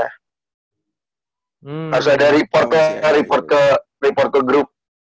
harus ada report ke group